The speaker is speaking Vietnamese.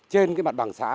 trên cái mặt bằng xã